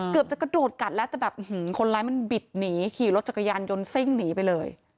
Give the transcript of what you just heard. เกือบจะกระโดดกัดแล้วแต่แบบคนร้ายมันบิดหนีขี่รถจักรยานยนต์ซิ่งหนีไปเลย